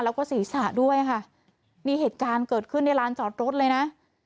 แล้วก็ศีรษะด้วยค่ะนี่เหตุการณ์เกิดขึ้นในร้านจอดรถเลยนะ